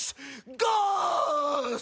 ゴース！